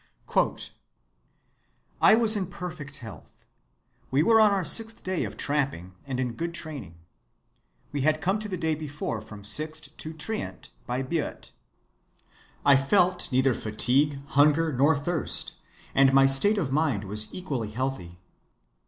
(29) "I was in perfect health: we were on our sixth day of tramping, and in good training. We had come the day before from Sixt to Trient by Buet. I felt neither fatigue, hunger, nor thirst, and my state of mind was equally healthy.